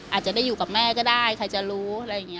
อาจจะได้อยู่กับแม่ก็ได้ใครจะรู้อะไรอย่างนี้